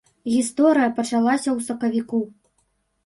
Гісторыя пачалася ў сакавіку.